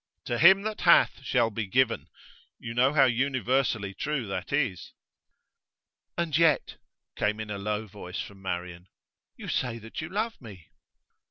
To him that hath shall be given you know how universally true that is.' 'And yet,' came in a low voice from Marian, 'you say that you love me.